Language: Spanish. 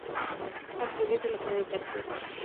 Atraviesa la ciudad de Tartu.